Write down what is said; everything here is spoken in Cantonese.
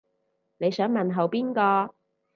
你想問候邊個